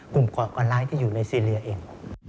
กลุ่มกรรไลด์ที่อยู่ในซีเรียเอง